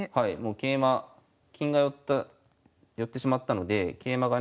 桂馬金が寄ってしまったので桂馬がね